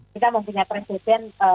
kita mempunyai presiden